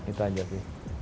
itu aja sih